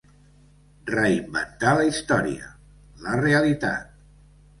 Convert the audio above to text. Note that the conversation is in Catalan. Reinventar la història, la realitat.